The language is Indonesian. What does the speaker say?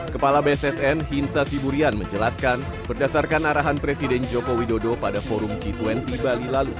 kepala bssn hinsa siburian menjelaskan berdasarkan arahan presiden joko widodo pada forum g dua puluh bali lalu